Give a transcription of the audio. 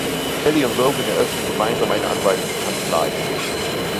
Kelly und Logan eröffnen gemeinsam eine Anwaltskanzlei.